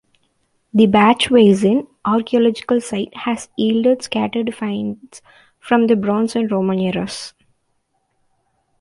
The "Bachwiesen" archaeological site has yielded scattered finds from the Bronze and Roman eras.